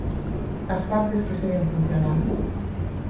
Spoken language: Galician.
As partes que seguen funcionando